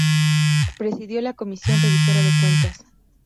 Presidió la Comisión Revisora de Cuentas.